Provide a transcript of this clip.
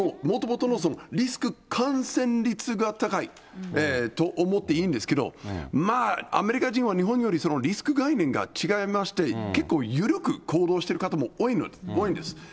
もともとのリスク、感染率が高いと思っていいんですけど、まあアメリカ人は日本よりそのリスク概念が違いまして、結構緩く行動してる方も多いんです。